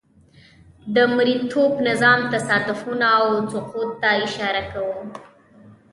د مرئیتوب نظام تضادونه او سقوط ته اشاره کوو.